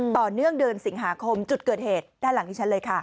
ต่อเนื่องเดือนสิงหาคมจุดเกิดเหตุด้านหลังดิฉันเลยค่ะ